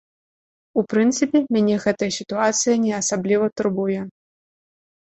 У прынцыпе, мяне гэтая сітуацыя не асабліва турбуе.